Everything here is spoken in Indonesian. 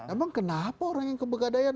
emang kenapa orang yang kebegadaian